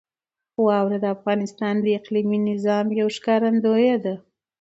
واوره د افغانستان د اقلیمي نظام یوه ښکارندوی ده.